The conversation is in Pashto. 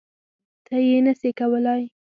ته یی نه سی کولای